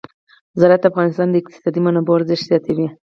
زراعت د افغانستان د اقتصادي منابعو ارزښت زیاتوي.